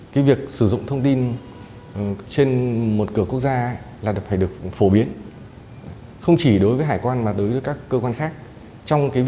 cái việc sử dụng thông tin trên một cửa quốc gia hàng không có hiệu quả hơn thưa ông ạ